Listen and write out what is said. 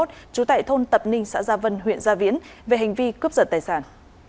trú tại thôn tập ninh xã gia vân huyện gia viễn về hành vi cướp giật tài sản